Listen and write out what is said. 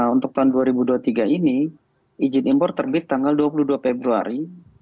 untuk tahun dua ribu dua puluh tiga ini izin impor terbit tanggal dua puluh dua februari